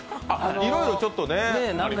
いろいろちょっとね。